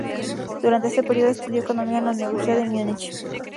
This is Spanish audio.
Durante este período estudió economía en la Universidad de Múnich.